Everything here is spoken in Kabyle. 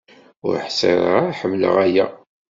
Ur ḥṣiɣ ara ḥemleɣ aya.